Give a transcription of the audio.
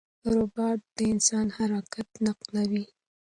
روباټ د انسان حرکت نقلوي.